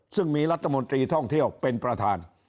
ซึ่งมีรัฐมนตรีท่องเที่ยวเป็นประธาน